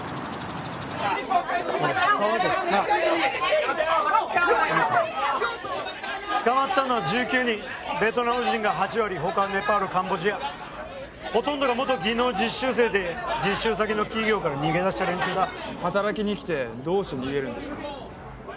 おい捕まえてろなっ捕まったのは１９人ベトナム人が８割他ネパールカンボジアほとんどが元技能実習生で実習先の企業から逃げ出した連中だ働きに来てどうして逃げるんですか？